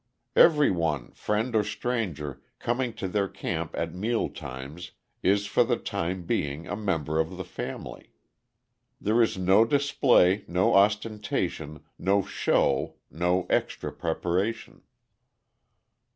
Every one, friend or stranger, coming to their camp at meal times is for the time being a member of the family. There is no display, no ostentation, no show, no extra preparation.